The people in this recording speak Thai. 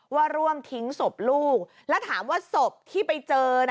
ว่าร่วมทิ้งศพลูกแล้วถามว่าศพที่ไปเจอน่ะ